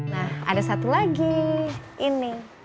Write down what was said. nah ada satu lagi ini